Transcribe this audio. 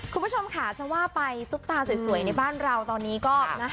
คุณผู้ชมค่ะจะว่าไปซุปตาสวยในบ้านเราตอนนี้ก็นะ